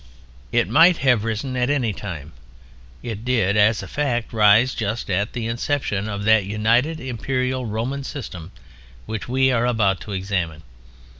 It might have risen at any time: it did, as a fact, rise just at the inception of that united Imperial Roman system which we are about to examine.